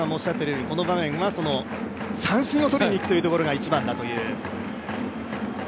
とにかく、この場面は三振を取りにいくところが一番だという。